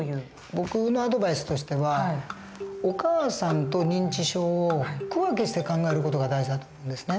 僕のアドバイスとしてはお母さんと認知症を区分けして考える事が大事だと思うんですね。